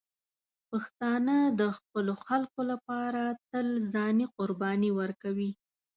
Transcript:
پښتانه د خپلو خلکو لپاره تل ځاني قرباني ورکوي.